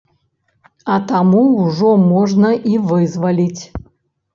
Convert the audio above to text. А таму ўжо можна і вызваліць.